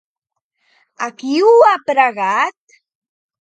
A qui ho ha pregat?